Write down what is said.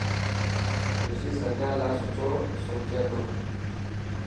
رشي سجان لاءِ سٺو سوچي ٿو.